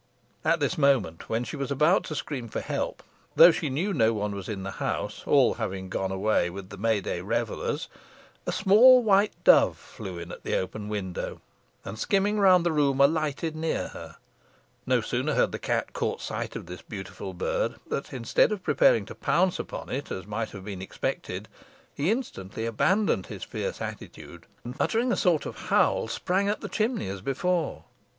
At this moment, when she was about to scream for help, though she knew no one was in the house, all having gone away with the May day revellers, a small white dove flew in at the open window, and skimming round the room, alighted near her. No sooner had the cat caught sight of this beautiful bird, than instead of preparing to pounce upon it, as might have been expected, he instantly abandoned his fierce attitude, and, uttering a sort of howl, sprang up the chimney as before.